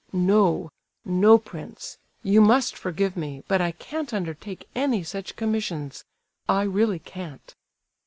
"No—no, prince; you must forgive me, but I can't undertake any such commissions! I really can't."